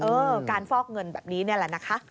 เออการฟอกเงินแบบนี้นี่แหละนะคะ